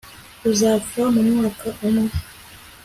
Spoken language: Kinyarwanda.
uzapfa mu mwaka umwe